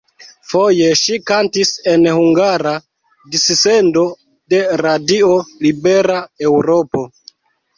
Foje ŝi kantis en hungara dissendo de Radio Libera Eŭropo.